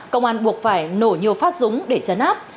công an buộc phải nổ nhiều phát súng để chấn áp